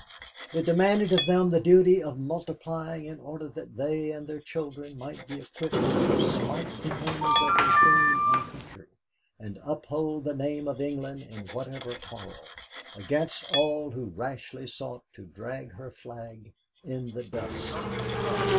It demanded of them the duty of multiplying in order that they and their children might be equipped to smite the enemies of their Queen and country, and uphold the name of England in whatever quarrel, against all who rashly sought to drag her flag in the dust.